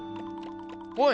おい！